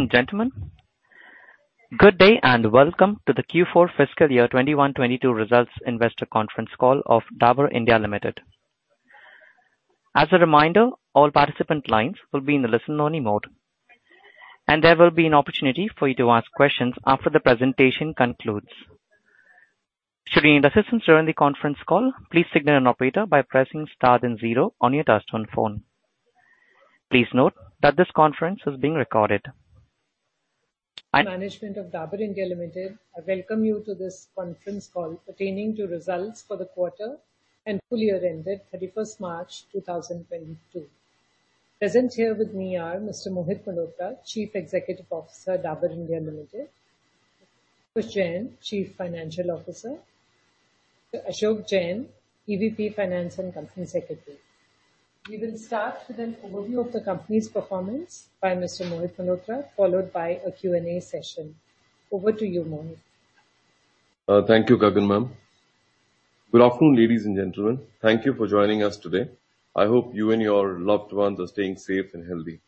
Ladies and gentlemen, good day and welcome to the Q4 fiscal year 2021-2022 results investor conference call of Dabur India Limited. As a reminder, all participant lines will be in the listen-only mode, and there will be an opportunity for you to ask questions after the presentation concludes. Should you need assistance during the conference call, please signal an operator by pressing star then zero on your touch-tone phone. Please note that this conference is being recorded. Management of Dabur India Limited, I welcome you to this conference call pertaining to results for the quarter and full year ended 31 March 2022. Present here with me are Mr. Mohit Malhotra, Chief Executive Officer, Dabur India Limited, Ankush Jain, Chief Financial Officer, Ashok Jain, EVP (Finance) & Company Secretary. We will start with an overview of the company's performance by Mr. Mohit Malhotra, followed by a Q&A session. Over to you, Mohit. Thank you, Gagan ma'am. Good afternoon, ladies and gentlemen. Thank you for joining us today. I hope you and your loved ones are staying safe and healthy.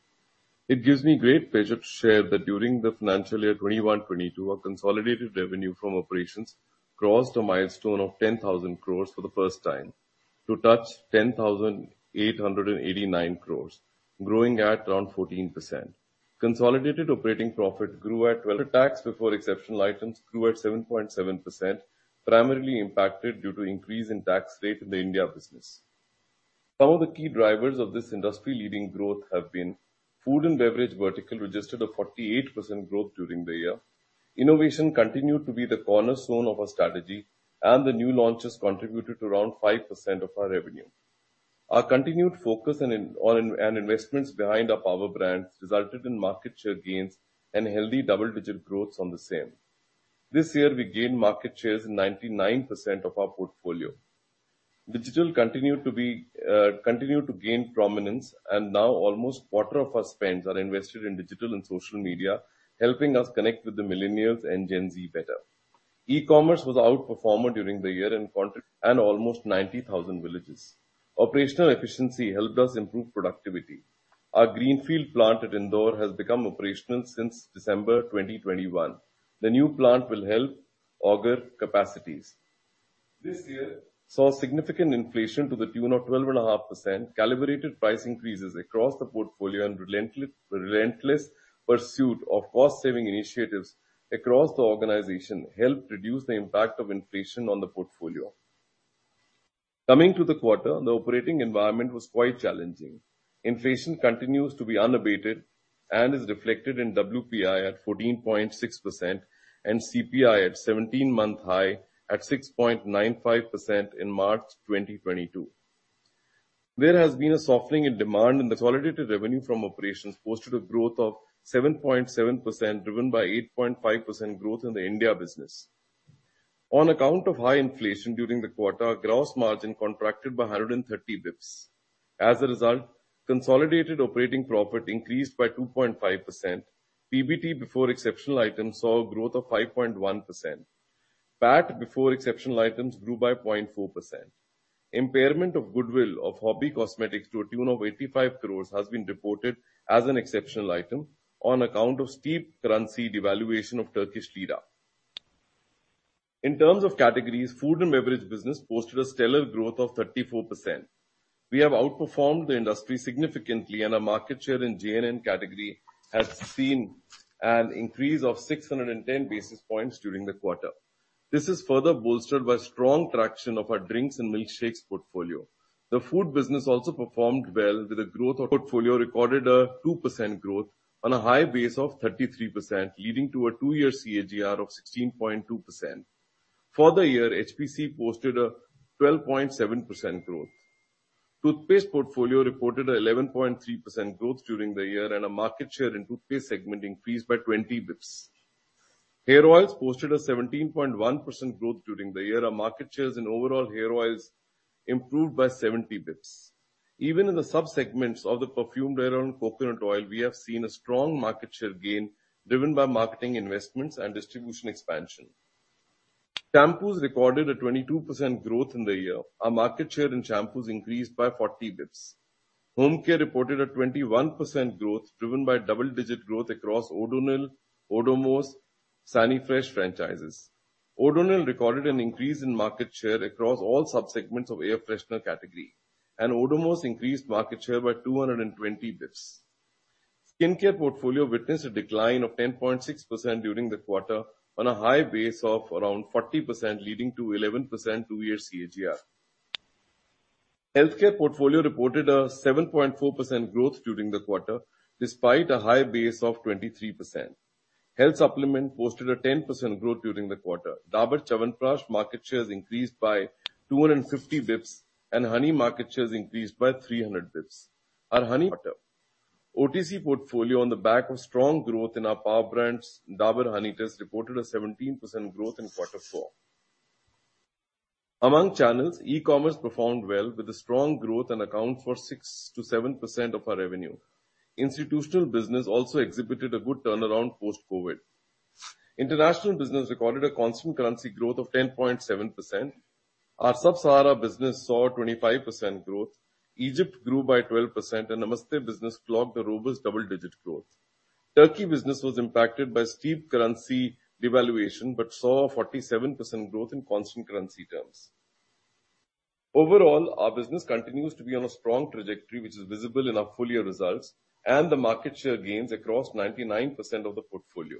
It gives me great pleasure to share that during the financial year 2021-2022, our consolidated revenue from operations crossed a milestone of 10,000 crores for the first time to touch 10,889 crores, growing at around 14%. Consolidated EBITDA before exceptional items grew at 7.7%, primarily impacted due to increase in tax rate in the Indian business. Some of the key drivers of this industry-leading growth have been food and beverage vertical, which registered a 48% growth during the year. Innovation continued to be the cornerstone of our strategy, and the new launches contributed around 5% of our revenue. Our continued focus and investments behind our power brands resulted in market share gains and healthy double-digit growth on the same. This year we gained market shares in 99% of our portfolio. Digital continued to gain prominence, and now almost a quarter of our spends are invested in digital and social media, helping us connect with the millennials and Gen Z better. E-commerce was an outperformer during the year and covered almost 90,000 villages. Operational efficiency helped us improve productivity. Our greenfield plant at Indore has become operational since December 2021. The new plant will help augment capacities. This year saw significant inflation to the tune of 12.5%. Calibrated price increases across the portfolio and relentless pursuit of cost-saving initiatives across the organization helped reduce the impact of inflation on the portfolio. Coming to the quarter, the operating environment was quite challenging. Inflation continues to be unabated and is reflected in WPI at 14.6% and CPI at seventeen-month high at 6.95% in March 2022. There has been a softening in demand and consolidated revenue from operations posted a growth of 7.7%, driven by 8.5% growth in the India business. On account of high inflation during the quarter, gross margin contracted by 130 basis points. As a result, consolidated operating profit increased by 2.5%. PBT before exceptional items saw a growth of 5.1%. PAT before exceptional items grew by 0.4%. Impairment of goodwill of Hobi Kozmetik to a tune of 85 crore has been reported as an exceptional item on account of steep currency devaluation of Turkish lira. In terms of categories, food and beverage business posted a stellar growth of 34%. We have outperformed the industry significantly, and our market share in juices and nectars category has seen an increase of 610 basis points during the quarter. This is further bolstered by strong traction of our drinks and milkshakes portfolio. The food business also performed well, with portfolio recording a 2% growth on a high base of 33%, leading to a two-year CAGR of 16.2%. For the year, HPC posted a 12.7% growth. Toothpaste portfolio reported 11.3% growth during the year, and our market share in toothpaste segment increased by 20 basis points. Hair oils posted a 17.1% growth during the year. Our market shares in overall hair oils improved by 70 basis points. Even in the subsegments of the perfumed hair oil and coconut oil, we have seen a strong market share gain driven by marketing investments and distribution expansion. Shampoos recorded a 22% growth in the year. Our market share in shampoos increased by 40 basis points. Home care reported a 21% growth driven by double-digit growth across Odonil, Odomos, Sanifresh franchises. Odonil recorded an increase in market share across all subsegments of air freshener category, and Odomos increased market share by 220 basis points. Skin care portfolio witnessed a decline of 10.6% during the quarter on a high base of around 40%, leading to 11% two-year CAGR. Healthcare portfolio reported a 7.4% growth during the quarter, despite a high base of 23%. Health supplement posted a 10% growth during the quarter. Dabur Chyawanprash market shares increased by 250 basis points, and honey market shares increased by 300 basis points. Our honey OTC portfolio on the back of strong growth in our power brands, Dabur Honey has reported a 17% growth in quarter four. Among channels, e-commerce performed well with a strong growth and account for 6%-7% of our revenue. Institutional business also exhibited a good turnaround post-COVID. International business recorded a constant currency growth of 10.7%. Our Sub-Saharan business saw 25% growth. Egypt grew by 12%, and Namaste business clocked a robust double-digit growth. Turkey business was impacted by steep currency devaluation, but saw 47% growth in constant currency terms. Overall, our business continues to be on a strong trajectory, which is visible in our full year results and the market share gains across 99% of the portfolio.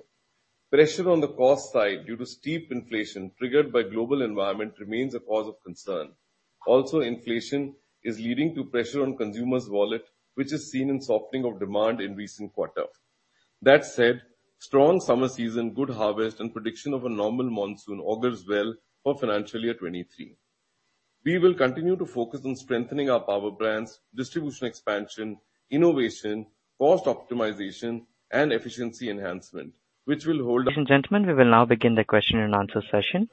Pressure on the cost side due to steep inflation triggered by global environment remains a cause of concern. Also, inflation is leading to pressure on consumers' wallet, which is seen in softening of demand in recent quarter. That said, strong summer season, good harvest and prediction of a normal monsoon augurs well for financial year 2023. We will continue to focus on strengthening our power brands, distribution expansion, innovation, cost optimization and efficiency enhancement, which will hold. Ladies and gentlemen, we will now begin the question-and-answer session.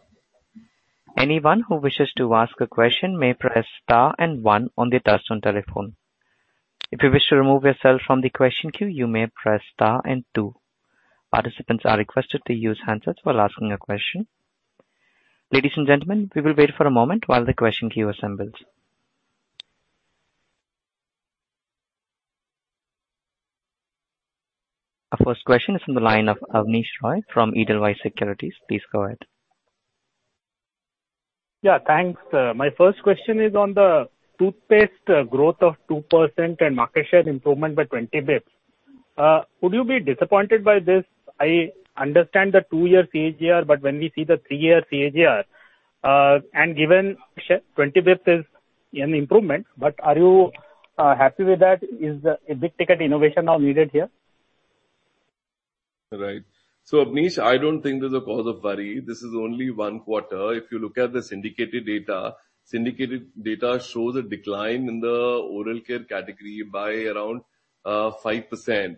Anyone who wishes to ask a question may press star and one on their touchtone telephone. If you wish to remove yourself from the question queue, you may press star and two. Participants are requested to use handsets while asking a question. Ladies and gentlemen, we will wait for a moment while the question queue assembles. Our first question is from the line of Abneesh Roy from Edelweiss Securities. Please go ahead. Thanks. My first question is on the toothpaste growth of 2% and market share improvement by 20 bps. Would you be disappointed by this? I understand the two-year CAGR, but when we see the three-year CAGR, and given share, 20 bps is an improvement, but are you happy with that? Is a big-ticket innovation now needed here? Right. Abneesh, I don't think there's a cause for worry. This is only one quarter. If you look at the syndicated data, syndicated data shows a decline in the oral care category by around 5%.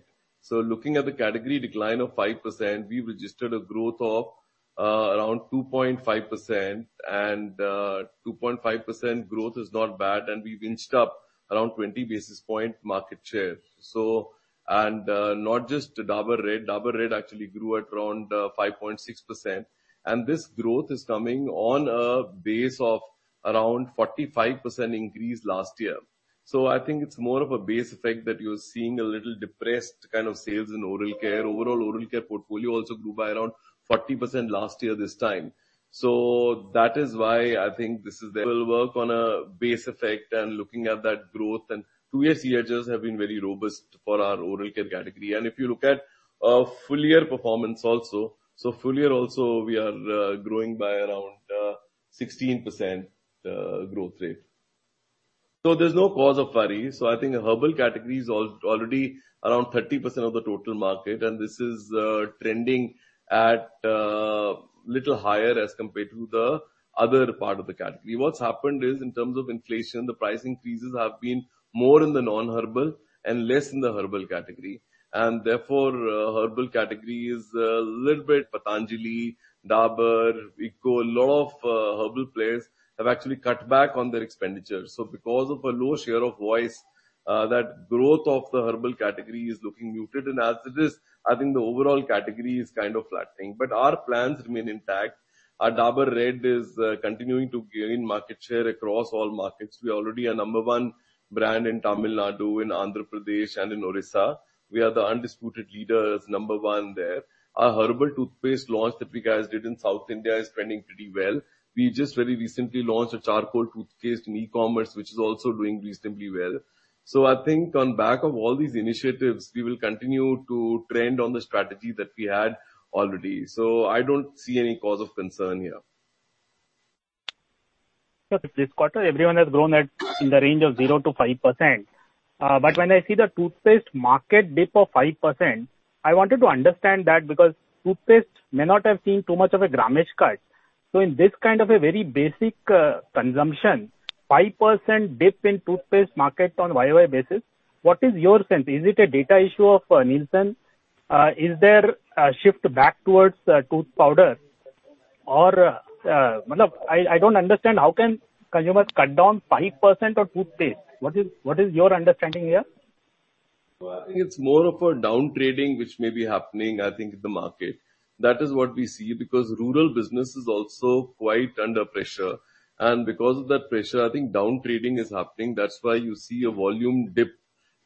Looking at the category decline of 5%, we registered a growth of around 2.5%, and 2.5% growth is not bad, and we inched up around 20 basis points market share. Not just Dabur Red. Dabur Red actually grew at around 5.6%. This growth is coming on a base of around 45% increase last year. I think it's more of a base effect that you're seeing a little depressed kind of sales in oral care. Overall, oral care portfolio also grew by around 40% last year this time. We will work on a base effect and looking at that growth. Two-year CAGRs have been very robust for our oral care category. If you look at full year performance also, so full year also we are growing by around 16% growth rate. There's no cause of worry. I think the herbal category is already around 30% of the total market, and this is trending at little higher as compared to the other part of the category. What's happened is, in terms of inflation, the price increases have been more in the non-herbal and less in the herbal category. Therefore, herbal category is a little bit Patanjali, Dabur, Vicco. A lot of herbal players have actually cut back on their expenditures. Because of a low share of voice, that growth of the herbal category is looking muted. As it is, I think the overall category is kind of flattening. Our plans remain intact. Our Dabur Red is continuing to gain market share across all markets. We already are number one brand in Tamil Nadu, in Andhra Pradesh and in Orissa. We are the undisputed leaders, number one there. Our herbal toothpaste launch that we, guys, did in South India is trending pretty well. We just very recently launched a charcoal toothpaste in e-commerce, which is also doing reasonably well. I think on back of all these initiatives, we will continue to trend on the strategy that we had already. I don't see any cause of concern here. This quarter, everyone has grown at, in the range of 0%-5%. When I see the toothpaste market dip of 5%, I wanted to understand that because toothpaste may not have seen too much of a grammage cut. In this kind of a very basic consumption, 5% dip in toothpaste market on year-over-year basis, what is your sense? Is it a data issue of Nielsen? Is there a shift back towards tooth powder? Or, I don't understand, how can consumers cut down 5% on toothpaste? What is your understanding here? I think it's more of a downtrading which may be happening, I think, in the market. That is what we see, because rural business is also quite under pressure. Because of that pressure, I think downtrading is happening. That's why you see a volume dip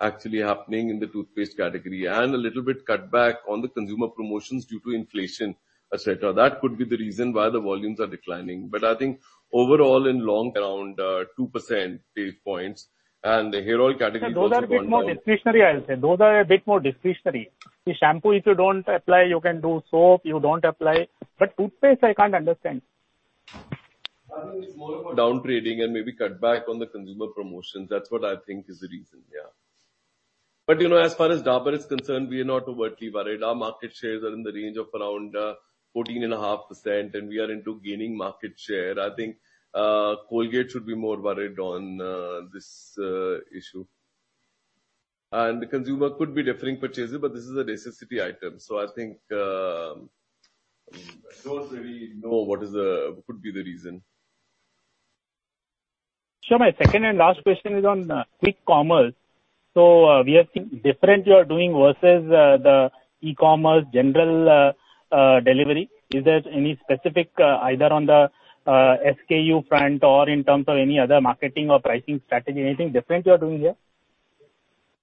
actually happening in the toothpaste category and a little bit cutback on the consumer promotions due to inflation, et cetera. That could be the reason why the volumes are declining. I think overall in long around 2% basis points, and the hair oil category. Those are a bit more discretionary, I'll say. See, shampoo if you don't apply, you can do soap, you don't apply. Toothpaste I can't understand. I think it's more about downtrading and maybe cut back on the consumer promotions. That's what I think is the reason, yeah. You know, as far as Dabur is concerned, we are not overtly worried. Our market shares are in the range of around 14.5%, and we are into gaining market share. I think Colgate should be more worried on this issue. The consumer could be deferring purchases, but this is a necessity item. I think I don't really know what could be the reason. Sure. My second and last question is on quick commerce. We are seeing differences in what you are doing versus the general e-commerce delivery. Is there any specific either on the SKU front or in terms of any other marketing or pricing strategy? Anything different you are doing here?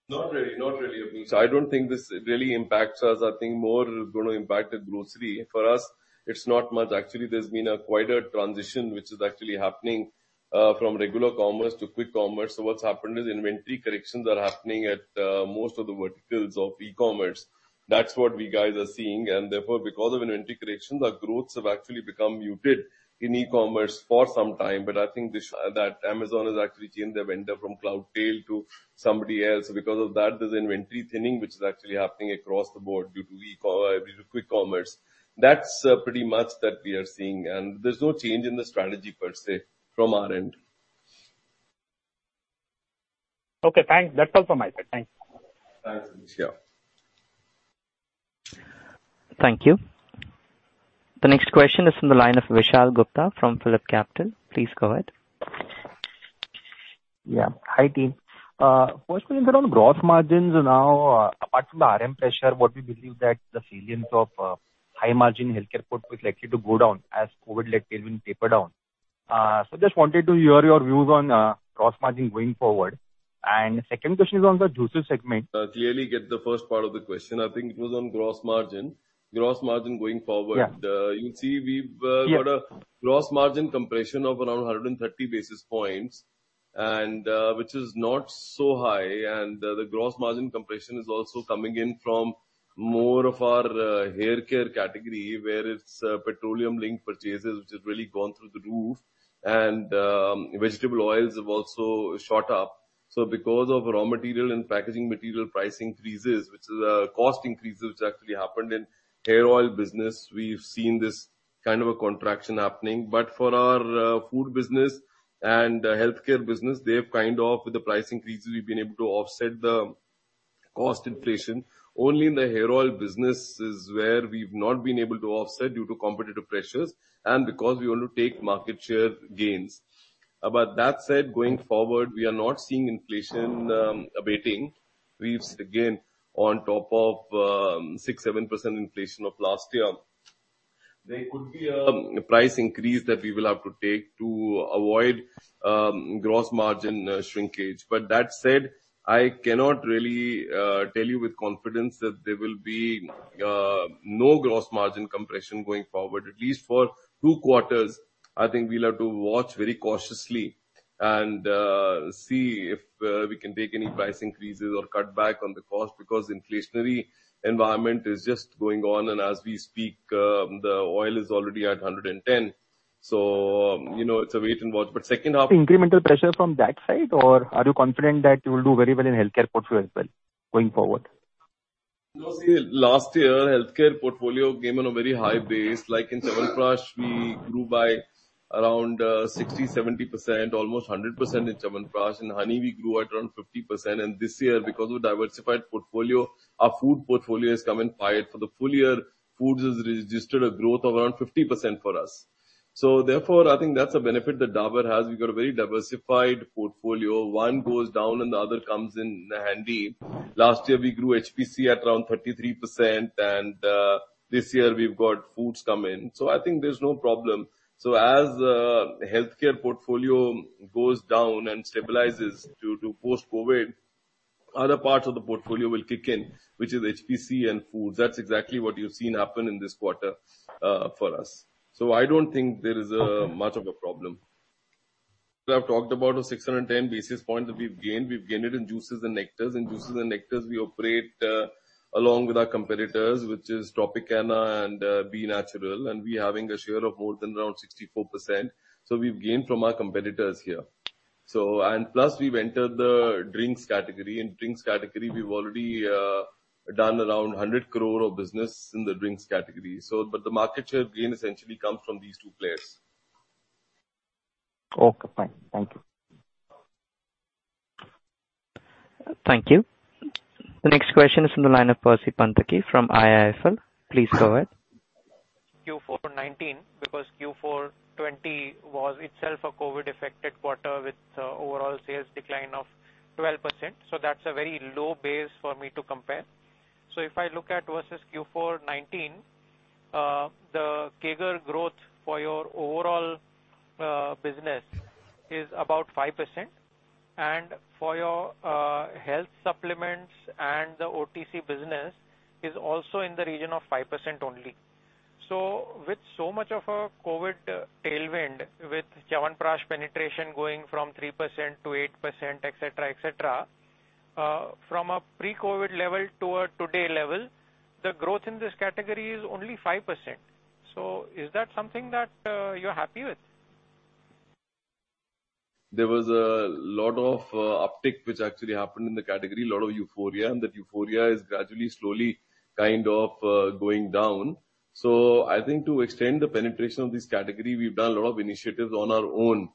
Not really, Abneesh. I don't think this really impacts us. I think more it's gonna impact the grocery. For us, it's not much. Actually, there's been quite a transition which is actually happening from regular commerce to quick commerce. What's happened is inventory corrections are happening at most of the verticals of e-commerce. That's what we guys are seeing, and therefore because of inventory correction, the growths have actually become muted in e-commerce for some time. I think that Amazon has actually changed their vendor from Cloudtail to somebody else. Because of that, there's inventory thinning which is actually happening across the board due to quick commerce. That's pretty much that we are seeing, and there's no change in the strategy per se from our end. Okay, thanks. That's all from my side. Thanks. Thanks, Abneesh. Sure. Thank you. The next question is from the line of Vishal Gutka from PhillipCapital. Please go ahead. Yeah. Hi, team. First one is around gross margins. Now, apart from the RM pressure, what we believe that the salience of high margin healthcare portfolio is likely to go down as COVID-led tailwind tapers down? Just wanted to hear your views on gross margin going forward. Second question is on the juices segment. Clearly get the first part of the question. I think it was on gross margin. Gross margin going forward. Yeah. You'll see we've got a- Yes. Gross margin compression of around 130 basis points, which is not so high. The gross margin compression is also coming in from more of our haircare category, where it's petroleum-linked purchases which has really gone through the roof. Vegetable oils have also shot up. Because of raw material and packaging material price increases, which is cost increases which actually happened in hair oil business, we've seen this kind of a contraction happening. For our food business and healthcare business, they have kind of, with the price increase, we've been able to offset the cost inflation. Only in the hair oil business is where we've not been able to offset due to competitive pressures and because we want to take market share gains. That said, going forward, we are not seeing inflation abating. We've seen again on top of 6%-7% inflation of last year. There could be a price increase that we will have to take to avoid gross margin shrinkage. That said, I cannot really tell you with confidence that there will be no gross margin compression going forward. At least for two quarters, I think we'll have to watch very cautiously and see if we can take any price increases or cut back on the cost because inflationary environment is just going on. As we speak, the oil is already at $110. You know, it's a wait and watch. Second half- Incremental pressure from that side, or are you confident that you will do very well in healthcare portfolio as well going forward? No, see, last year, healthcare portfolio came on a very high base. Like in Chyawanprash, we grew by around 60, 70%, almost 100% in Chyawanprash. In honey, we grew at around 50%. This year, because of diversified portfolio, our food portfolio has come in quite. For the full year, foods has registered a growth of around 50% for us. Therefore, I think that's a benefit that Dabur has. We've got a very diversified portfolio. One goes down and the other comes in handy. Last year we grew HPC at around 33% and this year we've got foods come in. I think there's no problem. As healthcare portfolio goes down and stabilizes due to post-COVID, other parts of the portfolio will kick in, which is HPC and foods. That's exactly what you've seen happen in this quarter for us. I don't think there is much of a problem. We have talked about 610 basis points that we've gained. We've gained it in juices and nectars. In juices and nectars, we operate along with our competitors, which is Tropicana and B Natural, and we're having a share of more than around 64%, so we've gained from our competitors here. And plus we've entered the drinks category. In drinks category we've already done around 100 crore of business in the drinks category. The market share gain essentially comes from these two players. Okay, fine. Thank you. Thank you. The next question is from the line of Percy Panthaki from IIFL. Please go ahead. Q4 2019, because Q4 2020 was itself a COVID affected quarter with overall sales decline of 12%, that's a very low base for me to compare. If I look at versus Q4 2019, the CAGR growth for your overall business is about 5%. For your health supplements and the OTC business is also in the region of 5% only. With so much of a COVID tailwind, with Chyawanprash penetration going from 3% to 8%, et cetera, et cetera, from a pre-COVID level to a today level, the growth in this category is only 5%. Is that something that you're happy with? There was a lot of uptick which actually happened in the category, a lot of euphoria, and that euphoria is gradually, slowly kind of going down. I think to extend the penetration of this category, we've done a lot of initiatives on our own.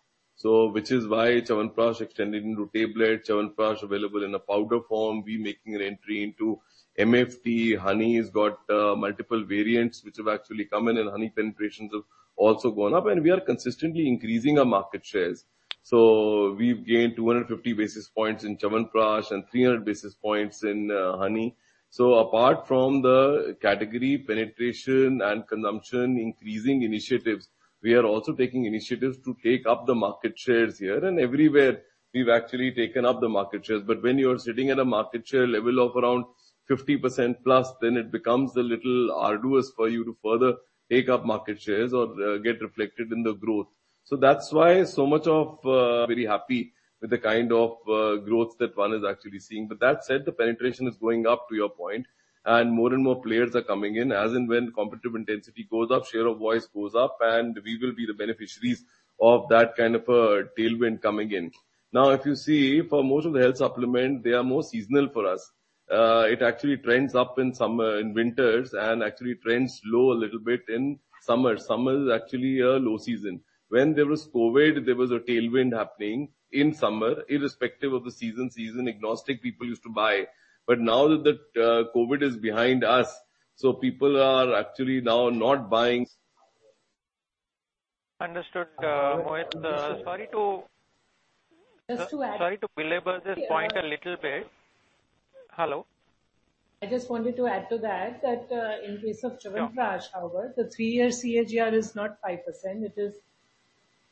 Which is why Chyawanprash extended into tablets, Chyawanprash available in a powder form. We're making an entry into MFT. Honey's got multiple variants which have actually come in, and honey penetrations have also gone up. We are consistently increasing our market shares. We've gained 250 basis points in Chyawanprash and 300 basis points in honey. Apart from the category penetration and consumption increasing initiatives, we are also taking initiatives to take up the market shares here and everywhere we've actually taken up the market shares. When you're sitting in a market share level of around 50%+, then it becomes a little arduous for you to further take up market shares or get reflected in the growth. That's why very happy with the kind of growth that one is actually seeing. That said, the penetration is going up to your point, and more and more players are coming in. As and when competitive intensity goes up, share of voice goes up, and we will be the beneficiaries of that kind of a tailwind coming in. Now, if you see for most of the health supplements, they are more seasonal for us. It actually trends up in winters and actually trends low a little bit in summer. Summer is actually a low season. When there was COVID, there was a tailwind happening in summer irrespective of the season. Season agnostic people used to buy. Now that COVID is behind us, so people are actually now not buying. Understood, Mohit. Just to add. Sorry to belabor this point a little bit. Hello. I just wanted to add to that, in case of Chyawanprash, however, the three-year CAGR is not 5%, it is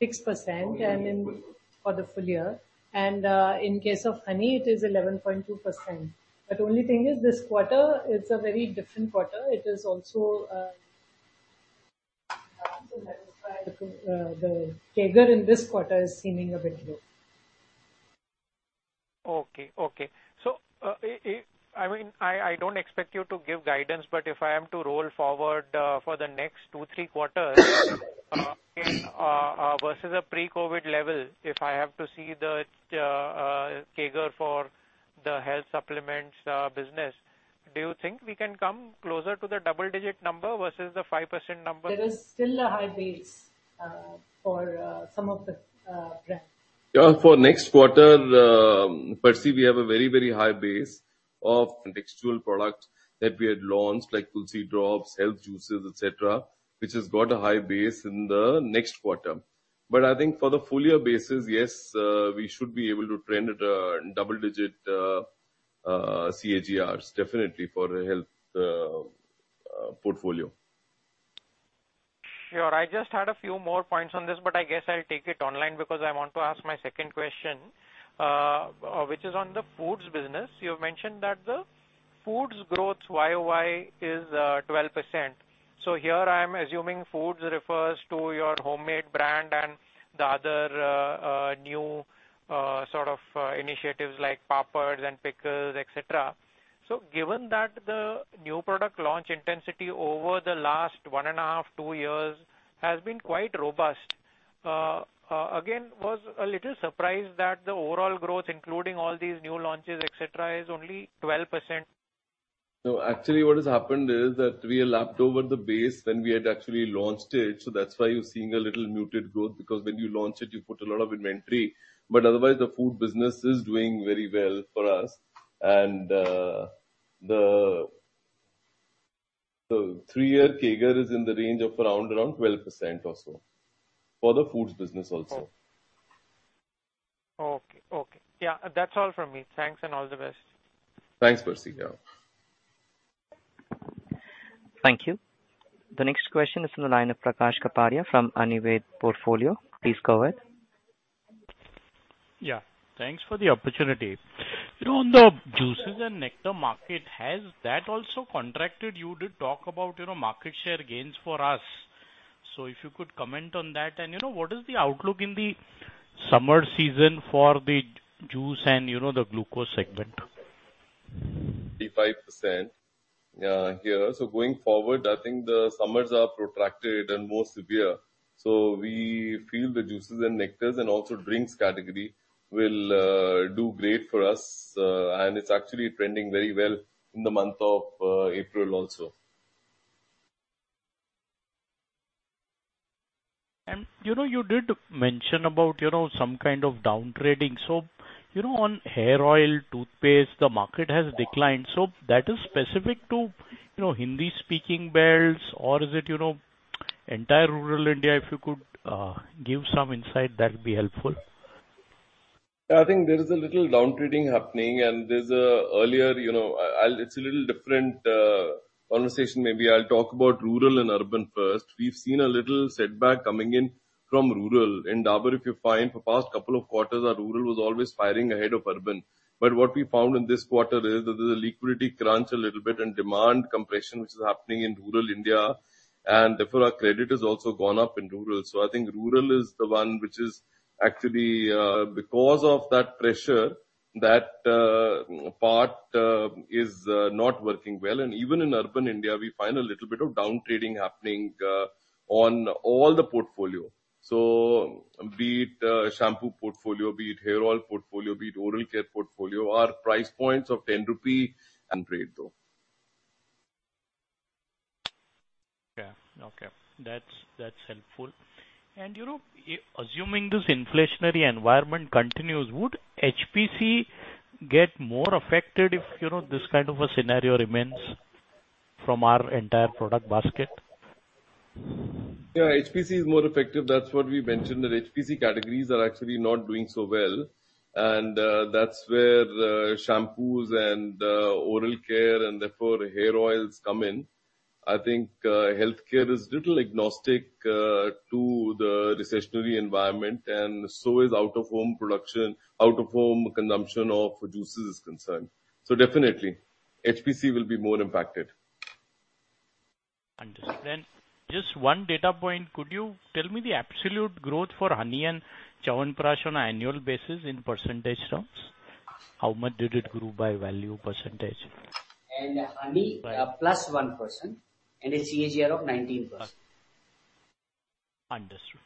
6% for the full year. In case of honey, it is 11.2%. But only thing is this quarter is a very different quarter. It is also, the CAGR in this quarter is seeming a bit low. Okay. I mean, I don't expect you to give guidance, but if I am to roll forward for the next two, three quarters versus a pre-COVID level, if I have to see the CAGR for the health supplements business, do you think we can come closer to the double digit number versus the 5% number? There is still a high base for some of the brands. Yeah, for next quarter, Percy, we have a very, very high base of contextual product that we had launched, like Tulsi Drops, health juices, et cetera, which has got a high base in the next quarter. I think for the full year basis, yes, we should be able to trend at a double-digit CAGRs definitely for the health portfolio. Sure. I just had a few more points on this, but I guess I'll take it online because I want to ask my second question, which is on the foods business. You mentioned that the foods growth YoY is 12%. Here I am assuming foods refers to your Hommade brand and the other new sort of initiatives like Papads and Pickles, et cetera. Given that the new product launch intensity over the last one and a half, two years has been quite robust, again, was a little surprised that the overall growth, including all these new launches, et cetera, is only 12%. No, actually what has happened is that we are lapped over the base when we had actually launched it. That's why you're seeing a little muted growth because when you launch it you put a lot of inventory. Otherwise the food business is doing very well for us. The three-year CAGR is in the range of around 12% or so for the foods business also. Okay. Yeah. That's all from me. Thanks and all the best. Thanks, Percy. Yeah. Thank you. The next question is from the line of Prakash Kapadia from Anived Portfolio. Please go ahead. Yeah, thanks for the opportunity. You know, on the juices and nectar market, has that also contracted? You did talk about, you know, market share gains for us. So if you could comment on that. You know, what is the outlook in the summer season for the juice and, you know, the glucose segment? 35% here. Going forward, I think the summers are protracted and more severe. We feel the juices and nectars and also drinks category will do great for us. It's actually trending very well in the month of April also. You know, you did mention about, you know, some kind of down trading. You know, on hair oil, toothpaste, the market has declined. That is specific to, you know, Hindi speaking belts or is it, you know, entire rural India? If you could give some insight, that would be helpful. I think there is a little down trading happening, and there's an earlier, you know, it's a little different conversation. Maybe I'll talk about rural and urban first. We've seen a little setback coming in from rural. In Dabur, if you find for past couple of quarters, our rural was always firing ahead of urban. What we found in this quarter is that there's a liquidity crunch a little bit and demand compression which is happening in rural India, and therefore our credit has also gone up in rural. I think rural is the one which is actually because of that pressure, that part is not working well. Even in urban India, we find a little bit of down trading happening on all the portfolio. Be it shampoo portfolio, be it hair oil portfolio, be it oral care portfolio, our price points of 10 rupee and below. Yeah. Okay. That's helpful. You know, assuming this inflationary environment continues, would HPC get more affected if, you know, this kind of a scenario remains from our entire product basket? Yeah, HPC is more effective. That's what we mentioned, that HPC categories are actually not doing so well, and that's where the shampoos and oral care and therefore hair oils come in. I think, healthcare is a little agnostic to the recessionary environment, and so is out-of-home consumption of juices. Definitely, HPC will be more impacted. Understood. Just one data point. Could you tell me the absolute growth for Honey and Chyawanprash on an annual basis in percentage terms? How much did it grow by value percentage? Honey plus 1% and a CAGR of 19%. Understood.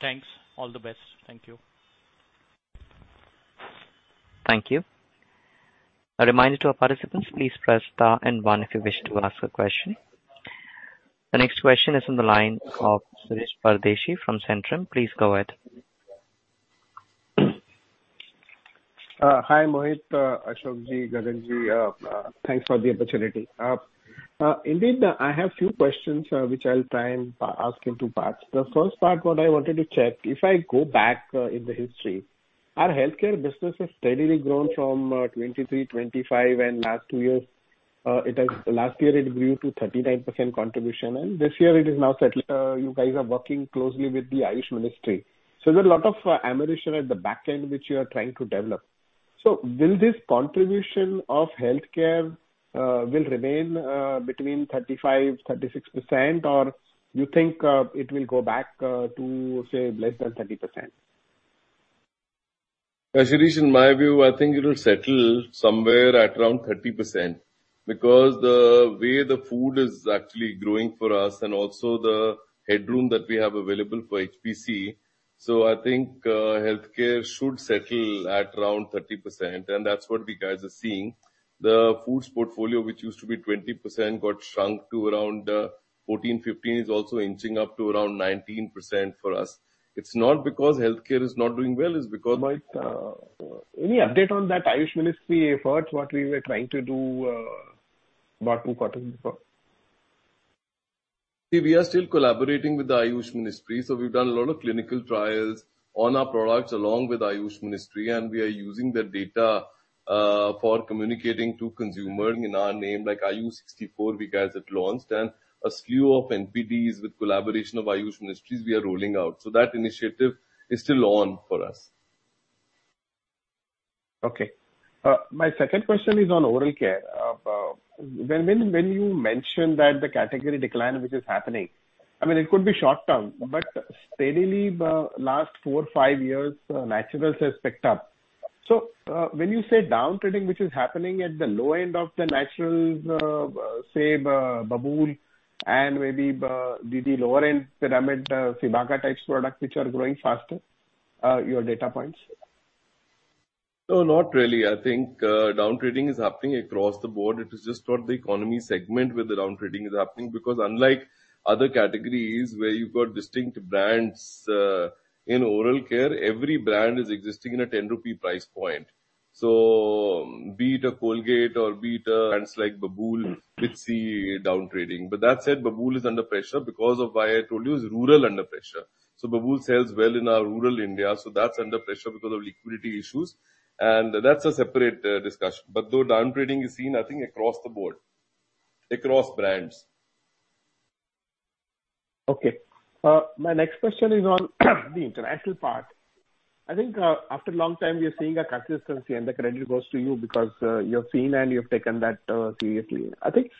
Thanks. All the best. Thank you. Thank you. A reminder to our participants, please press star and one if you wish to ask a question. The next question is on the line of Shirish Pardeshi from Centrum. Please go ahead. Hi, Mohit. Ashok ji, Gagan ji. Thanks for the opportunity. Indeed, I have few questions, which I'll try and ask in two parts. The first part, what I wanted to check, if I go back in the history, our healthcare business has steadily grown from 23, 25, and last two years, it has. Last year it grew to 39% contribution, and this year it is now settled. You guys are working closely with the Ministry of Ayush. There are a lot of ammunition at the back end which you are trying to develop. Will this contribution of healthcare will remain between 35%-36%, or you think it will go back to, say, less than 30%? Shirish, in my view, I think it will settle somewhere at around 30% because the way the foods is actually growing for us and also the headroom that we have available for HPC. I think, healthcare should settle at around 30%, and that's what you guys are seeing. The foods portfolio, which used to be 20%, got shrunk to around 14-15, is also inching up to around 19% for us. It's not because healthcare is not doing well, it's because. Mohit, any update on that Ayush Ministry effort, what we were trying to do, about two quarters before? See, we are still collaborating with the Ministry of Ayush, so we've done a lot of clinical trials on our products along with Ministry of Ayush, and we are using the data for communicating to consumer in our name. Like AYUSH 64 we guys had launched and a slew of NPDs with collaboration of Ministry of Ayush we are rolling out. That initiative is still on for us. Okay. My second question is on oral care. When you mentioned that the category decline which is happening, I mean, it could be short-term, but steadily the last four to five years, naturals has picked up. When you say downtrading, which is happening at the low end of the naturals, say, Babool and maybe the lower end pyramid, Cibaca types product which are growing faster, your data points? No, not really. I think downtrading is happening across the board. It is just not the economy segment where the downtrading is happening because unlike other categories where you've got distinct brands, in oral care, every brand is existing in a 10 rupee price point. Be it a Colgate or be it brands like Babool, we'd see downtrading. That said, Babool is under pressure because, as I told you, rural is under pressure. Babool sells well in our rural India, so that's under pressure because of liquidity issues, and that's a separate discussion. The downtrading is seen I think across the board, across brands. Okay. My next question is on the international part. I think, after a long time, we are seeing a consistency, and the credit goes to you because you have seen and you have taken that seriously. I think,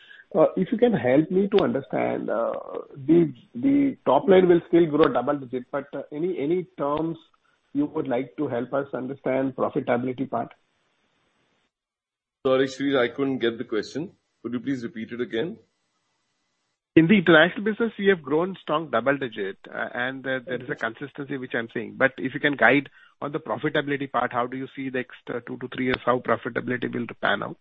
if you can help me to understand, the top line will still grow double-digit, but any terms you would like to help us understand profitability part? Sorry, Shirish I couldn't get the question. Could you please repeat it again? In the international business you have grown strong double digit, and there is a consistency which I'm seeing. If you can guide on the profitability part, how do you see the next two to three years, how profitability will pan out?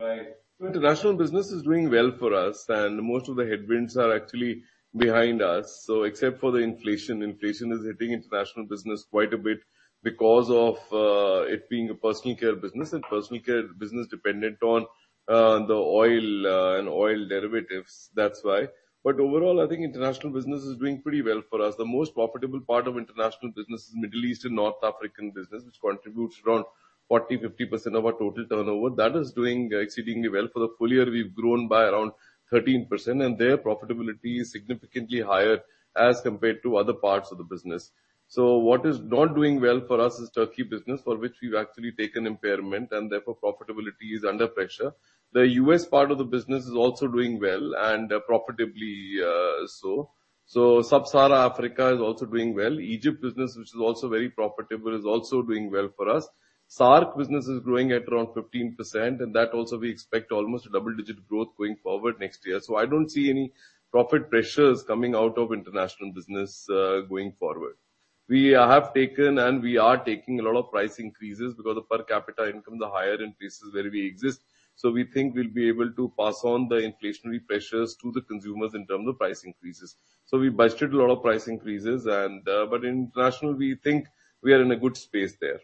Right. International business is doing well for us, and most of the headwinds are actually behind us. Except for the inflation. Inflation is hitting international business quite a bit because of it being a personal care business, and personal care business dependent on the oil and oil derivatives. That's why. Overall, I think international business is doing pretty well for us. The most profitable part of international business is Middle East and North African business, which contributes around 40-50% of our total turnover. That is doing exceedingly well. For the full year we've grown by around 13%, and their profitability is significantly higher as compared to other parts of the business. What is not doing well for us is Turkey business, for which we've actually taken impairment and therefore profitability is under pressure. The U.S. part of the business is also doing well and profitably. Sub-Saharan Africa is also doing well. Egypt business, which is also very profitable, is also doing well for us. SAARC business is growing at around 15%, and that also we expect almost a double-digit growth going forward next year. I don't see any profit pressures coming out of international business going forward. We have taken and we are taking a lot of price increases because the per capita income is higher in places where we exist. We think we'll be able to pass on the inflationary pressures to the consumers in terms of price increases. We budgeted a lot of price increases. International, we think we are in a good space there.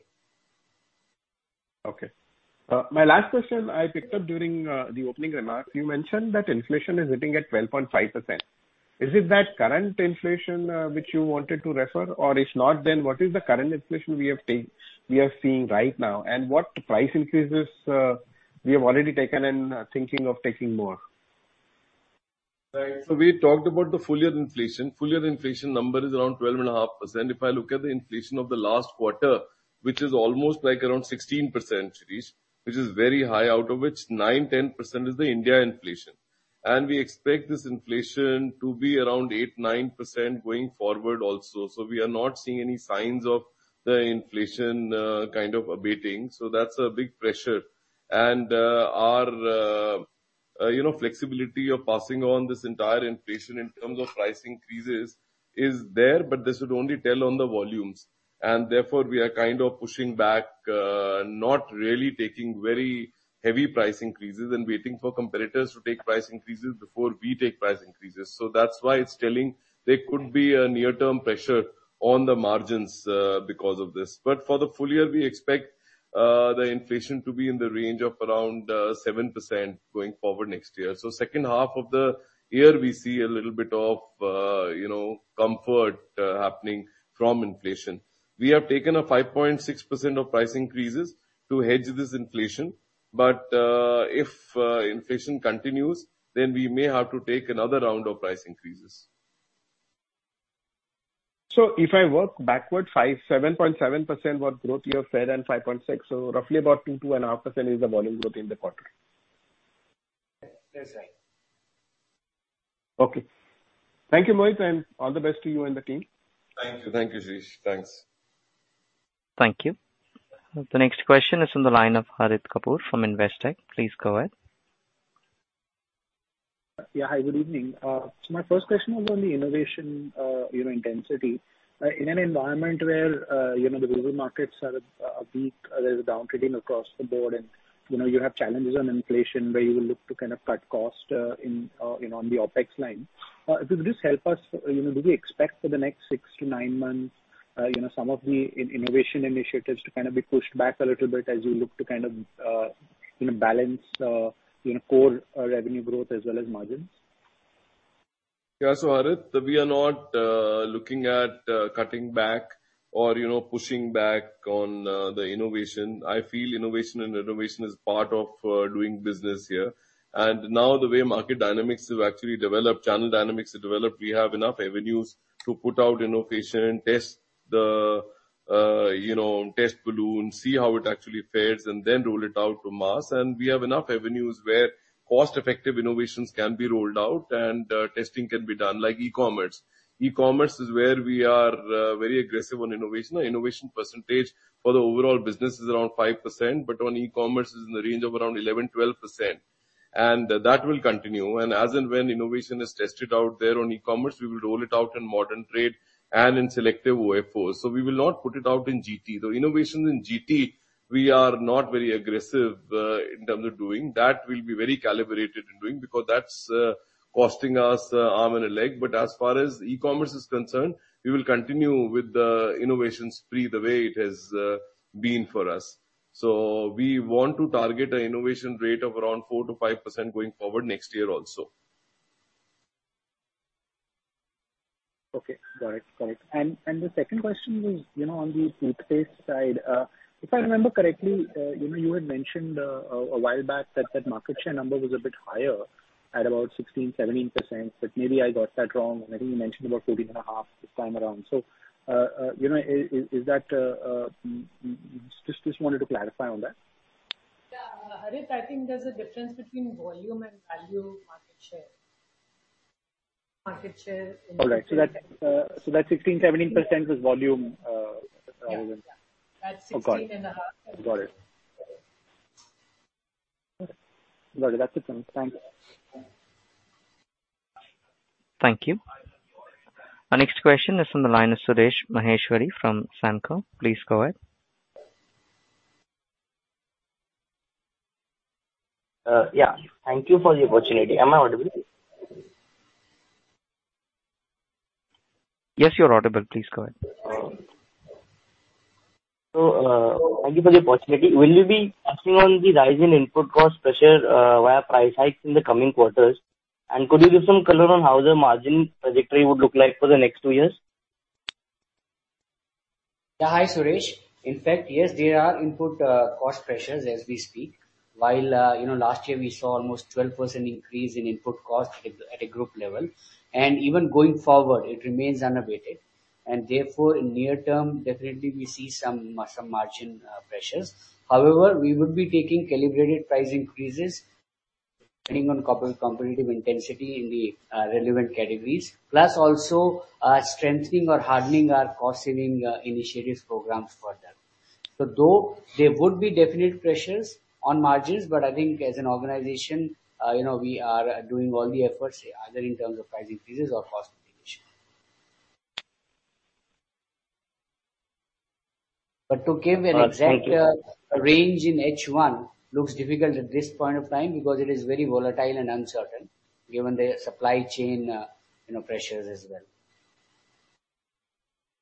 Okay. My last question I picked up during the opening remarks. You mentioned that inflation is sitting at 12.5%. Is it that current inflation which you wanted to refer? Or if not, then what is the current inflation we are seeing right now, and what price increases we have already taken and are thinking of taking more? Right. We talked about the full year inflation. Full year inflation number is around 12.5%. If I look at the inflation of the last quarter, which is almost like around 16%, Shirish, which is very high, out of which 9%-10% is the Indian inflation. We expect this inflation to be around 8%-9% going forward also. We are not seeing any signs of the inflation kind of abating. That's a big pressure. Our you know flexibility of passing on this entire inflation in terms of price increases is there, but this would only tell on the volumes. Therefore, we are kind of pushing back not really taking very heavy price increases and waiting for competitors to take price increases before we take price increases. That's why it's telling there could be a near-term pressure on the margins, because of this. For the full year, we expect the inflation to be in the range of around 7% going forward next year. Second half of the year, we see a little bit of, you know, comfort happening from inflation. We have taken a 5.6% of price increases to hedge this inflation, but if inflation continues, then we may have to take another round of price increases. If I work backwards, 5.7% was growth you have said and 5.6. Roughly about 2%-2.5% is the volume growth in the quarter? Yes, sir. Okay. Thank you, Mohit, and all the best to you and the team. Thank you. Thank you, Shirish. Thanks. Thank you. The next question is on the line of Harit Kapoor from Investec. Please go ahead. Yeah. Hi, good evening. So my first question was on the innovation, you know, intensity. In an environment where, you know, the global markets are weak, there's a downtrend across the board and, you know, you have challenges on inflation where you will look to kind of cut cost in you know on the OpEx line. Could you just help us, you know, do we expect for the next six to nine months, you know, some of the innovation initiatives to kind of be pushed back a little bit as you look to kind of you know balance you know core revenue growth as well as margins? Harit, we are not looking at cutting back or, you know, pushing back on the innovation. I feel innovation is part of doing business here. Now the way market dynamics have actually developed, channel dynamics have developed, we have enough revenues to put out innovation, test the test balloon, see how it actually fares, and then roll it out to mass. We have enough revenues where cost-effective innovations can be rolled out and testing can be done, like e-commerce. E-commerce is where we are very aggressive on innovation. Our innovation percentage for the overall business is around 5%, but on e-commerce it's in the range of around 11%-12%. That will continue. As and when innovation is tested out there on e-commerce, we will roll it out in modern trade and in selective [OFO]. We will not put it out in GT. The innovation in GT, we are not very aggressive in terms of doing. That we'll be very calibrated in doing because that's costing us arm and a leg. But as far as e-commerce is concerned, we will continue with the innovation spree the way it has been for us. We want to target an innovation rate of around 4%-5% going forward next year also. Okay. Got it. The second question was, you know, on the toothpaste side. If I remember correctly, you know, you had mentioned a while back that market share number was a bit higher at about 16%-17%, but maybe I got that wrong. I think you mentioned about 14.5 this time around. You know, is that. Just wanted to clarify on that? Yeah. Harit, I think there's a difference between volume and value market share. All right. That 16%-17% was volume. Yeah. -rather than- That's 16.5%. Got it. That's it then. Thank you. Thank you. Our next question is from the line of [Shirish] Maheshwari from Centrum. Please go ahead. Yeah. Thank you for the opportunity. Am I audible? Yes, you're audible. Please go ahead. Thank you for the opportunity. Will you be acting on the rise in input cost pressure, via price hikes in the coming quarters? Could you give some color on how the margin trajectory would look like for the next two years? Yeah. Hi, [Shirish]. In fact, yes, there are input cost pressures as we speak. While, you know, last year we saw almost 12% increase in input cost at a group level. Even going forward, it remains unabated. Therefore, in near term, definitely we see some margin pressures. However, we would be taking calibrated price increases depending on competitive intensity in the relevant categories, plus also strengthening or hardening our cost saving initiatives programs for them. Though there would be definite pressures on margins, but I think as an organization, you know, we are doing all the efforts either in terms of price increases or cost mitigation. To give an exact range in H1 looks difficult at this point of time because it is very volatile and uncertain given the supply chain, you know, pressures as well.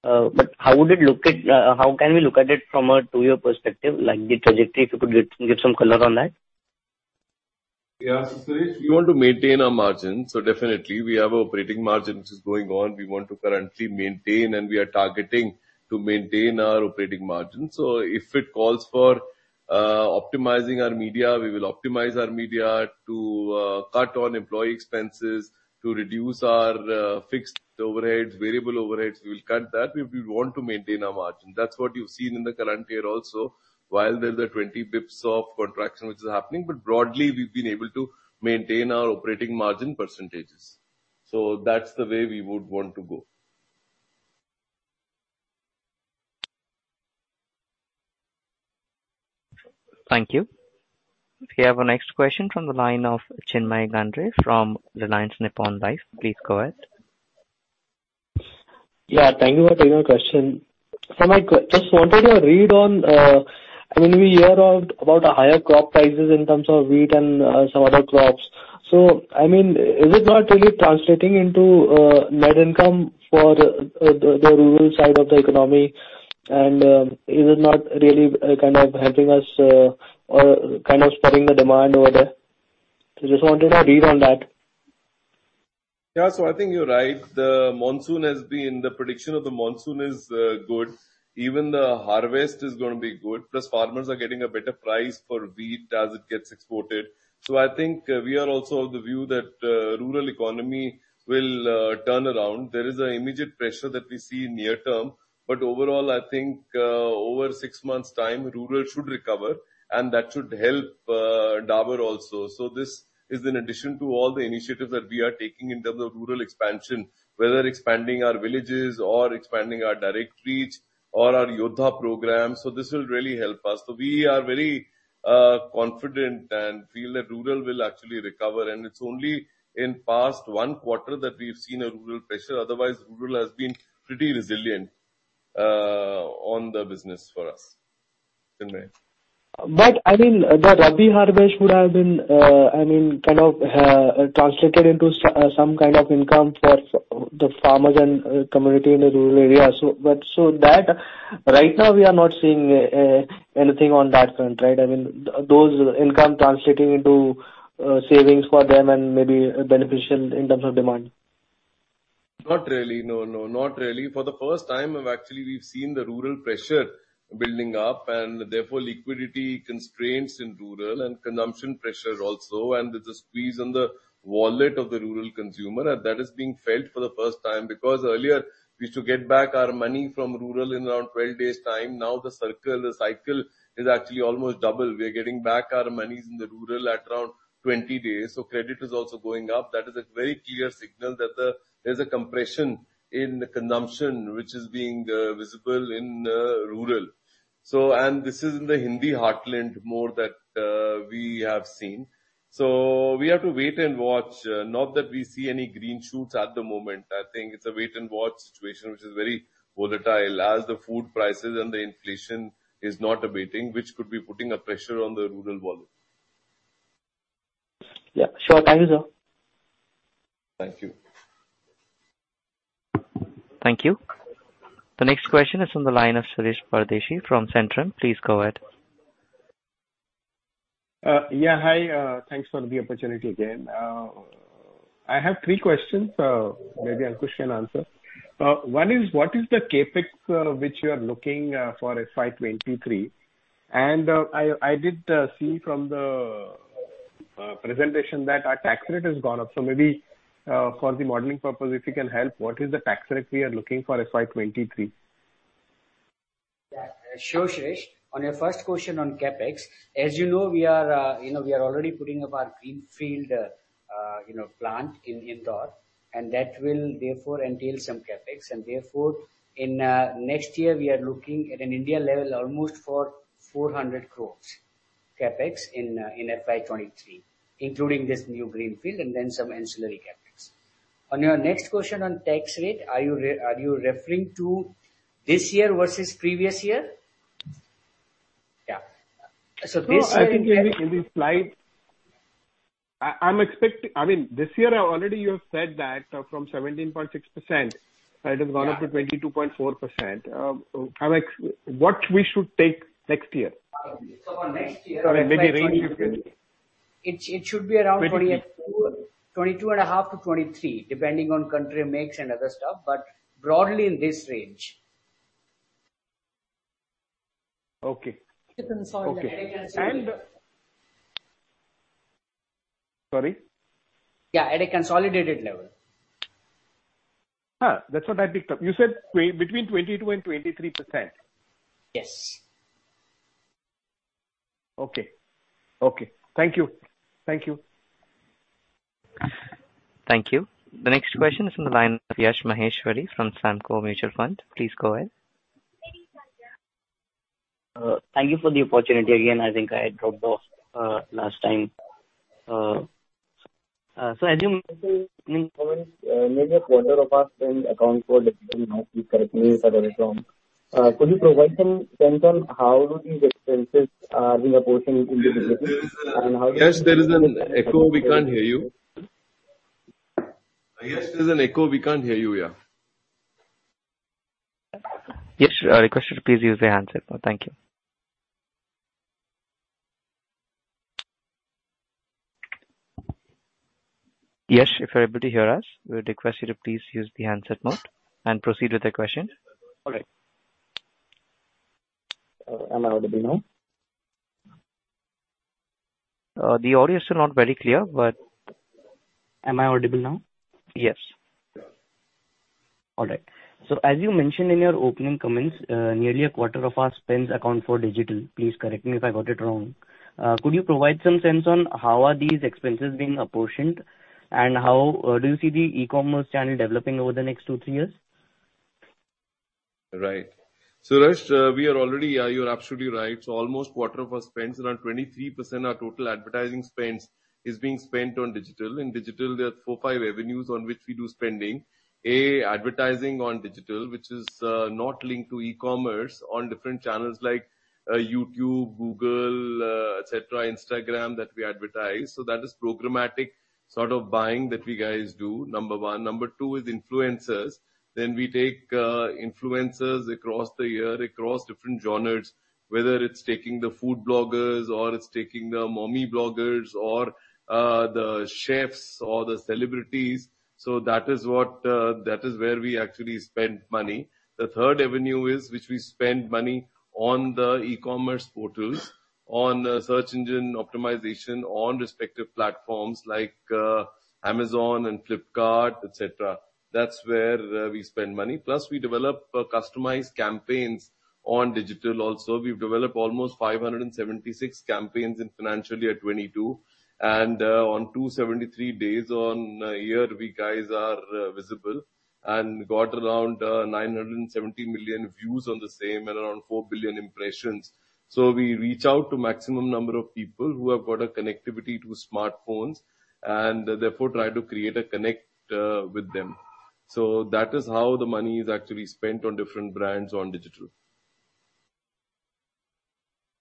How would it look at, how can we look at it from a two-year perspective, like the trajectory, if you could give some color on that? Yeah, [Shirish]. We want to maintain our margin. Definitely we have operating margin which is going on. We want to currently maintain, and we are targeting to maintain our operating margin. If it calls for optimizing our media, we will optimize our media to cut on employee expenses, to reduce our fixed overheads, variable overheads. We will cut that. We want to maintain our margin. That's what you've seen in the current year also. While there is a 20 bps of contraction which is happening, but broadly we've been able to maintain our operating margin percentages. That's the way we would want to go. Thank you. We have our next question from the line of Chinmay Gandhi from Reliance Nippon Life. Please go ahead. Yeah, thank you for taking my question. Just wanted a read on, I mean, we hear around about the higher crop prices in terms of wheat and, some other crops. I mean, is it not really translating into net income for the rural side of the economy? Is it not really kind of helping us or kind of spurring the demand over there? Just wanted a read on that. Yeah. I think you're right. The prediction of the monsoon is good. Even the harvest is gonna be good, plus farmers are getting a better price for wheat as it gets exported. I think, we are also of the view that, rural economy will turn around. There is an immediate pressure that we see near term, but overall I think, over six months' time, rural should recover, and that should help, Dabur also. This is in addition to all the initiatives that we are taking in terms of rural expansion, whether expanding our villages or expanding our direct reach or our Yoddha program. This will really help us. We are very confident and feel that rural will actually recover. It's only in past one quarter that we've seen a rural pressure. Otherwise rural has been pretty resilient on the business for us. Chinmay. I mean, the rabi harvest would have been, I mean, kind of, translated into some kind of income for the farmers and community in the rural areas. That right now we are not seeing anything on that front, right? I mean, those income translating into savings for them and maybe beneficial in terms of demand. Not really. No, no, not really. For the first time, actually, we've seen the rural pressure building up and therefore liquidity constraints in rural and consumption pressure also, and there's a squeeze on the wallet of the rural consumer, and that is being felt for the first time. Because earlier we used to get back our money from rural in around 12 days' time. Now the circle, the cycle is actually almost double. We are getting back our monies in the rural at around 20 days. Credit is also going up. That is a very clear signal that there's a compression in the consumption which is being visible in rural. This is in the Hindi heartland more that we have seen. We have to wait and watch. Not that we see any green shoots at the moment. I think it's a wait and watch situation which is very volatile as the food prices and the inflation is not abating, which could be putting a pressure on the rural wallet. Yeah, sure. Thank you, sir. Thank you. Thank you. The next question is from the line of Shirish Pardeshi from Centrum. Please go ahead. Yeah, hi. Thanks for the opportunity again. I have three questions. Maybe Ankush can answer. One is, what is the CapEx which you are looking for FY 2023? I did see from the presentation that our tax rate has gone up. Maybe for the modeling purpose, if you can help, what is the tax rate we are looking for FY 2023? Yeah. Sure, Shirish. On your first question on CapEx, as you know, we are, you know, we are already putting up our greenfield, you know, plant in Indore, and that will therefore entail some CapEx. Therefore in next year we are looking at an India level almost 400 crores CapEx in in FY 2023, including this new greenfield and then some ancillary CapEx. On your next question on tax rate, are you referring to this year versus previous year? Yeah. So this- No, I think in the slide. I'm expecting, I mean, this year already you have said that from 17.6% it has gone up to 22.4%. What we should take next year? For next year. Maybe range, if you can? It should be around. 20- 22.5-23, depending on contribution mix and other stuff, but broadly in this range. Okay. At a consolidated. Okay. At a consolidated. Sorry? Yeah, at a consolidated level. That's what I picked up. You said between 22% and 23%? Yes. Okay. Thank you. Thank you. The next question is from the line of Yash Maheshwari from Samco Mutual Fund. Please go ahead. Thank you for the opportunity again. I think I dropped off last time. As you mentioned, I mean, probably maybe a quarter of expenses accounts for digital now if I correctly read that right from. Could you provide some sense on how do these expenses in the portion in the business and how- Yash, there is an echo. We can't hear you. I guess there's an echo. We can't hear you, yeah. Yes, request you to please use the handset now. Thank you. Yash, if you're able to hear us, we would request you to please use the handset mode and proceed with the question. All right. Am I audible now? The audio is still not very clear, but. Am I audible now? Yes. All right. As you mentioned in your opening comments, nearly a quarter of our spends account for digital. Please correct me if I got it wrong. Could you provide some sense on how are these expenses being apportioned, and how do you see the e-commerce channel developing over the next two to three years? Right. Yash Maheshwari, we are already. You're absolutely right. Almost a quarter of our spends, around 23% of our total advertising spends is being spent on digital. In digital, there are four, five avenues on which we do spending. A, advertising on digital, which is not linked to e-commerce on different channels like YouTube, Google, et cetera, Instagram, that we advertise. That is programmatic sort of buying that we guys do, number one. Number two is influencers. We take influencers across the year, across different genres, whether it's taking the food bloggers or it's taking the mommy bloggers, the chefs or the celebrities. That is where we actually spend money. The third avenue is which we spend money on the e-commerce portals, on search engine optimization on respective platforms like Amazon and Flipkart, etc. That's where we spend money. Plus, we develop customized campaigns on digital also. We've developed almost 576 campaigns in financial year 2022. On 273 days on year we guys are visible and got around 970 million views on the same and around 4 billion impressions. We reach out to maximum number of people who have got a connectivity to smartphones and therefore try to create a connect with them. That is how the money is actually spent on different brands on digital.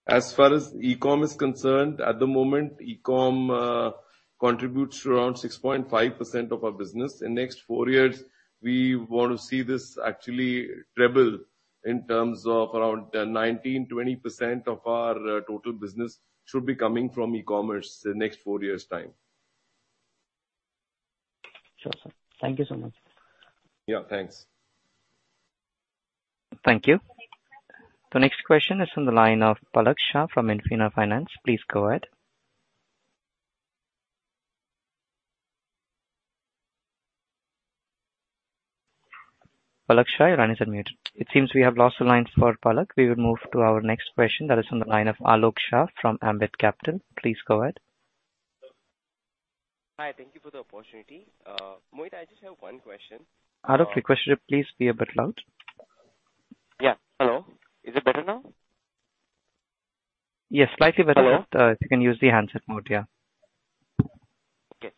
As far as e-com is concerned, at the moment, e-com contributes around 6.5% of our business. In next four years, we want to see this actually treble in terms of around 19%-20% of our total business should be coming from e-commerce in next four years' time. Sure, sir. Thank you so much. Yeah, thanks. Thank you. The next question is from the line of Palak Shah from Infina Finance. Please go ahead. Palak Shah, your line is unmuted. It seems we have lost the lines for Palak. We will move to our next question that is on the line of Alok Shah from Ambit Capital. Please go ahead. Hi. Thank you for the opportunity. Mohit, I just have one question. Alok, request you to please be a bit loud. Yeah. Hello. Is it better now? Yes, slightly better. Hello. If you can use the handset mode, yeah. Okay.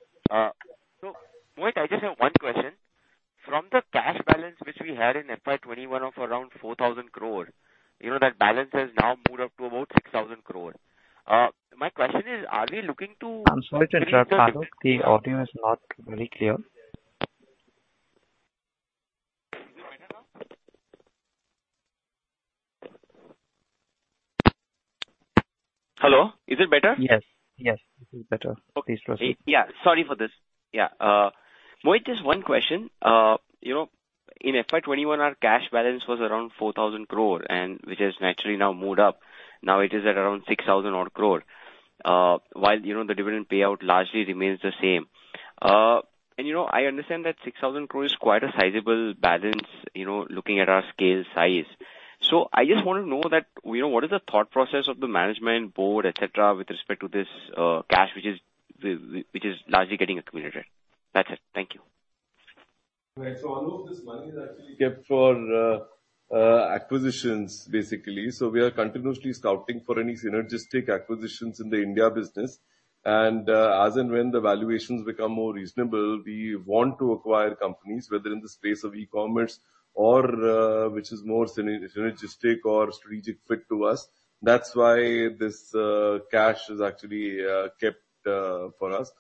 Mohit, I just have one question. From the cash balance which we had in FY 2021 of around 4,000 crore, you know, that balance has now moved up to about 6,000 crore. My question is, are we looking to? I'm sorry to interrupt, Alok. The audio is not very clear. Is it better now? Hello. Is it better? Yes. Yes. This is better. Okay. Please proceed. Mohit, just one question. You know, in FY 2021, our cash balance was around 4,000 crore, which has naturally now moved up. Now it is at around 6,000 crore. While, you know, the dividend payout largely remains the same. You know, I understand that 6,000 crore is quite a sizable balance, you know, looking at our scale size. So I just wanna know that, you know, what is the thought process of the management board, et cetera, with respect to this cash which is largely getting accumulated. That's it. Thank you. Right. Alok, this money is actually kept for acquisitions, basically. We are continuously scouting for any synergistic acquisitions in the India business. As and when the valuations become more reasonable, we want to acquire companies, whether in the space of e-commerce or which is more synergistic or strategic fit to us. That's why this cash is actually kept for us.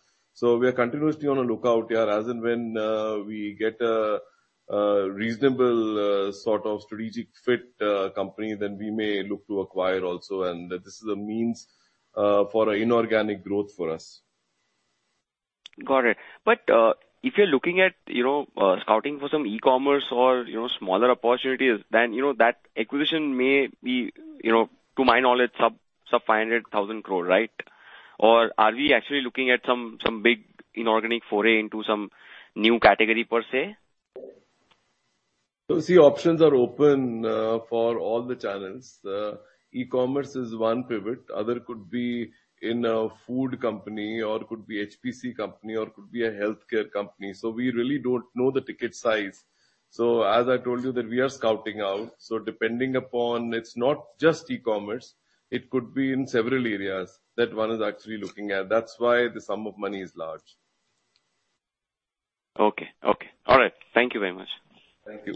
We are continuously on a lookout here. As and when we get a reasonable sort of strategic fit company, then we may look to acquire also. This is a means for inorganic growth for us. Got it. If you're looking at, you know, scouting for some e-commerce or, you know, smaller opportunities, then, you know, that acquisition may be, you know, to my knowledge, sub 500,000 crore, right? Or are we actually looking at some big inorganic foray into some new category per se? See, options are open for all the channels. E-commerce is one pivot. Other could be in a food company or could be HPC company or could be a healthcare company. We really don't know the ticket size. As I told you that we are scouting out, so depending upon, it's not just e-commerce, it could be in several areas that one is actually looking at. That's why the sum of money is large. Okay. All right. Thank you very much. Thank you.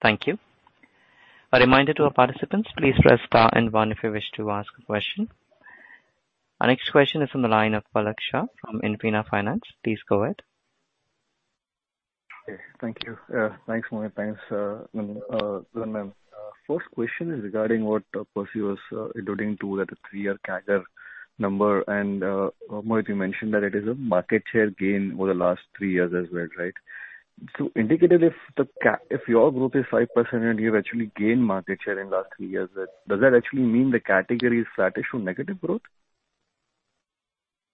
Thank you. A reminder to our participants, please press star and one if you wish to ask a question. Our next question is from the line of Palak Shah from Infina Finance. Please go ahead. Okay, thank you. Thanks Mohit, thanks Gagan, ma'am. First question is regarding what Percy was alluding to that the three-year CAGR number and Mohit, you mentioned that it is a market share gain over the last three years as well, right? Indicate if your growth is 5% and you've actually gained market share in last three years, does that actually mean the category is flattish or negative growth?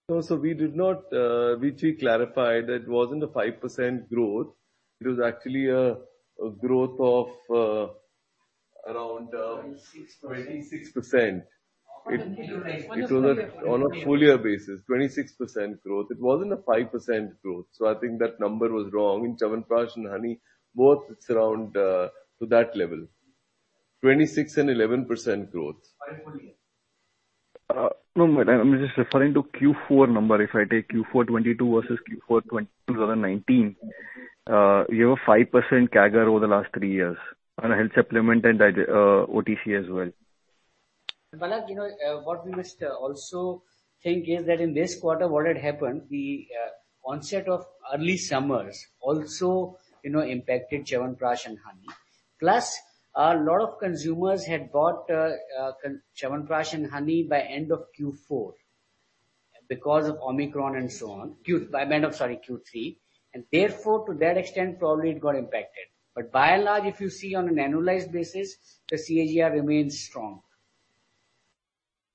No, we did not, Ankush clarified that it wasn't a 5% growth. It was actually a growth of around 26%. 26%. It was on a full year basis, 26% growth. It wasn't a 5% growth, so I think that number was wrong. In Chyawanprash and honey, both it's around, to that level. 26% and 11% growth. On a full year. No, I'm just referring to Q4 number. If I take Q4 2022 versus Q4 2019, you have a 5% CAGR over the last three years on a health supplement and OTC as well. Palak, you know, what we must also think is that in this quarter what had happened, the onset of early summers also, you know, impacted Chyawanprash and Honey. A lot of consumers had bought Chyawanprash and Honey by end of Q4 because of Omicron and so on, sorry, Q3. Therefore to that extent probably it got impacted. By and large, if you see on an annualized basis, the CAGR remains strong.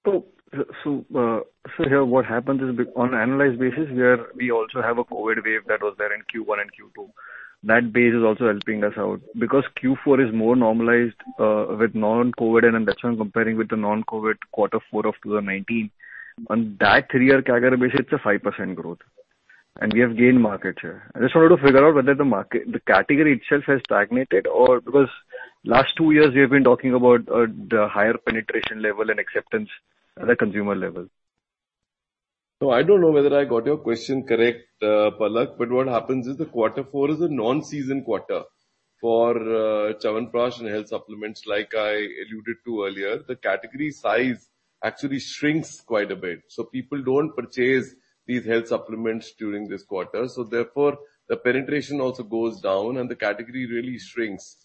Here what happens is on annualized basis, we also have a COVID wave that was there in Q1 and Q2. That base is also helping us out because Q4 is more normalized with non-COVID, and that's why I'm comparing with the non-COVID quarter four of 2019. On that three-year CAGR basis, it's a 5% growth. We have gained market share. I just wanted to figure out whether the market, the category itself has stagnated or because last two years we have been talking about the higher penetration level and acceptance at a consumer level? I don't know whether I got your question correct, Palak, but what happens is the quarter four is a non-seasonal quarter for Chyawanprash and health supplements like I alluded to earlier. The category size actually shrinks quite a bit. People don't purchase these health supplements during this quarter. Therefore the penetration also goes down and the category really shrinks.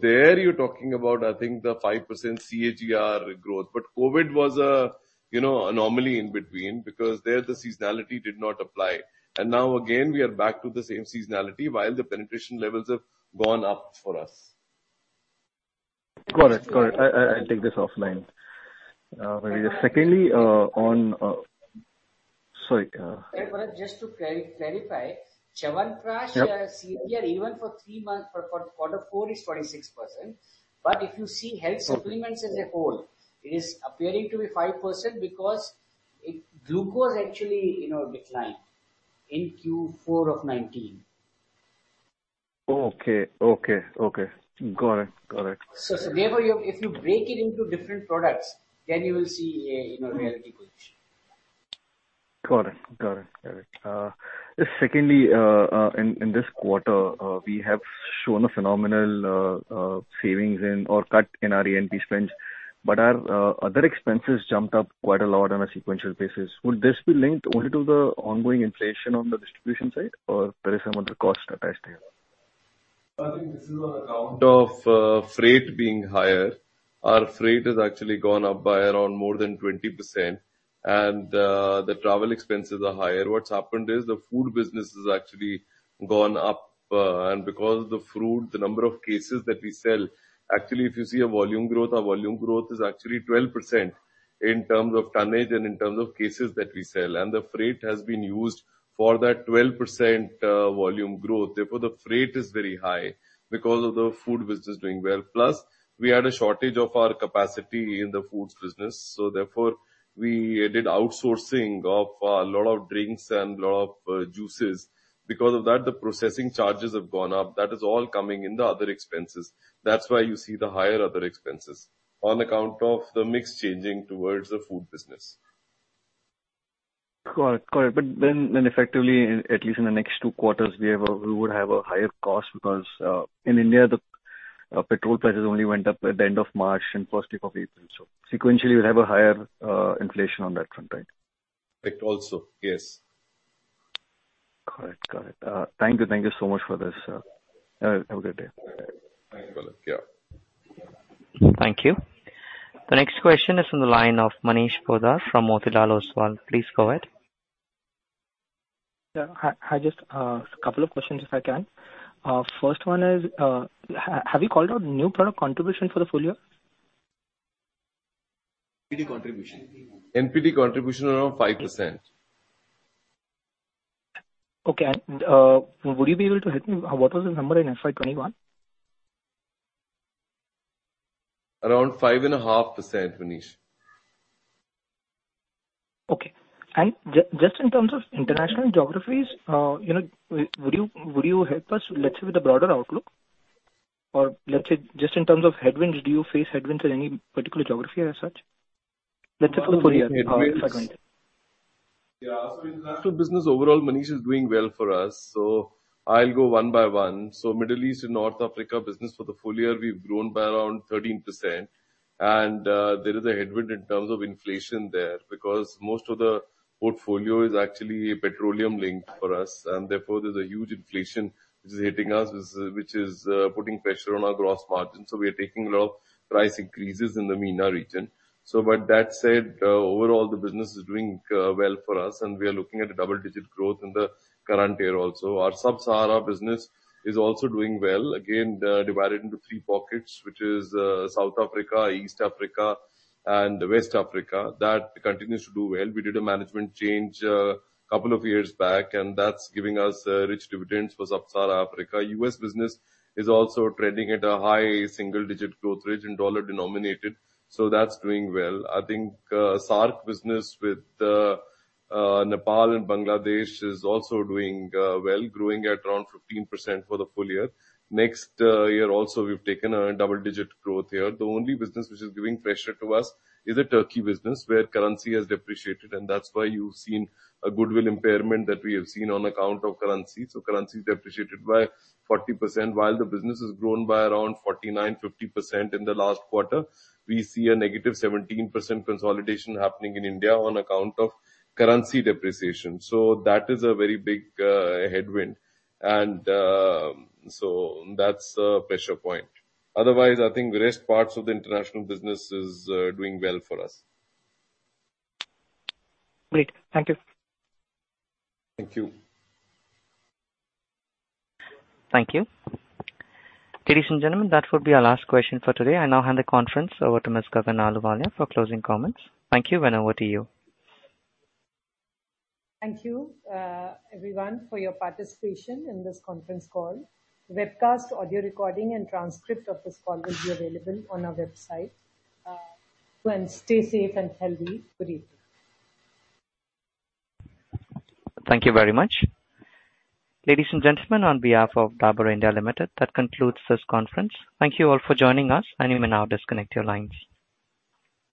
There you're talking about I think the 5% CAGR growth. COVID was a you know anomaly in between because there the seasonality did not apply. Now again we are back to the same seasonality while the penetration levels have gone up for us. Got it. I take this offline. Secondly, on. Sorry. Palak, just to clarify. Chyawanprash. Yep. CAGR even for three months for quarter four is 46%. But if you see health supplements as a whole, it is appearing to be 5% because it, glucose actually, you know, declined in Q4 of 2019. Okay. Got it. Therefore you have, if you break it into different products, then you will see a you know real growth. Got it. Just secondly, in this quarter, we have shown a phenomenal savings in or cut in our A&P spends, but our other expenses jumped up quite a lot on a sequential basis. Would this be linked only to the ongoing inflation on the distribution side or there is some other cost attached here? I think this is on account of freight being higher. Our freight has actually gone up by around more than 20%. The travel expenses are higher. What's happened is the food business has actually gone up, and because of the fruit, the number of cases that we sell, actually if you see a volume growth, our volume growth is actually 12% in terms of tonnage and in terms of cases that we sell. The freight has been used for that 12% volume growth, therefore the freight is very high because of the food business doing well. Plus we had a shortage of our capacity in the foods business, so therefore we did outsourcing of a lot of drinks and lot of juices. Because of that, the processing charges have gone up. That is all coming in the other expenses. That's why you see the higher other expenses on account of the mix changing towards the food business. Got it. Effectively, at least in the next two quarters, we would have a higher cost because in India the petrol prices only went up at the end of March and first week of April. Sequentially we'll have a higher inflation on that front, right? That also, yes. Got it. Thank you so much for this. Have a good day. Thank you, Palak. Yeah. Thank you. The next question is from the line of Manish Poddar from Motilal Oswal. Please go ahead. Yeah. I just have a couple of questions if I can. First one is, have you called out new product contribution for the full year? NPD contribution. NPD contribution around 5%. Would you be able to help me, what was the number in FY 2021? Around 5.5%, Manish. Okay. Just in terms of international geographies, you know, would you help us, let's say with the broader outlook? Or let's say just in terms of headwinds, do you face headwinds in any particular geography as such? Let's say for the full year, in FY 2022. Yeah. International business overall, Manish, is doing well for us. I'll go one by one. Middle East and North Africa business for the full year, we've grown by around 13%. There is a headwind in terms of inflation there because most of the portfolio is actually petroleum linked for us and therefore there's a huge inflation which is hitting us, which is putting pressure on our gross margin. We are taking a lot of price increases in the MENA region. With that said, overall the business is doing well for us, and we are looking at a double-digit growth in the current year also. Our Sub-Saharan business is also doing well. Again, divided into three pockets, which is South Africa, East Africa and West Africa. That continues to do well. We did a management change, couple of years back, and that's giving us rich dividends for Sub-Saharan Africa. U.S. business is also trending at a high single-digit growth rate in dollar denominated, so that's doing well. I think, SAARC business with Nepal and Bangladesh is also doing well, growing at around 15% for the full year. Next year also we've taken a double-digit growth here. The only business which is giving pressure to us is the Turkey business, where currency has depreciated, and that's why you've seen a goodwill impairment that we have seen on account of currency. Currency depreciated by 40%. While the business has grown by around 49-50% in the last quarter, we see a -17% consolidation happening in India on account of currency depreciation. That is a very big headwind. That's a pressure point. Otherwise, I think the rest parts of the international business is doing well for us. Great. Thank you. Thank you. Thank you. Ladies and gentlemen, that would be our last question for today. I now hand the conference over to Ms. Gagan Ahluwalia for closing comments. Thank you. Over to you. Thank you, everyone for your participation in this conference call. Webcast, audio recording and transcript of this call will be available on our website. Friends, stay safe and healthy. Good evening. Thank you very much. Ladies and gentlemen, on behalf of Dabur India Limited, that concludes this conference. Thank you all for joining us, and you may now disconnect your lines.